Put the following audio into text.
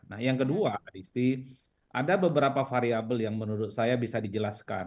nah yang kedua ada beberapa variable yang menurut saya bisa dijelaskan